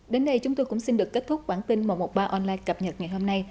đến đây chúng tôi cũng xin được kết thúc bản tin một trăm một mươi ba online cập nhật ngày hôm nay